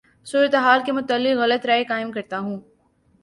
صورتحال کے متعلق غلط رائے قائم کرتا ہوں